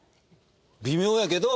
微妙やけど。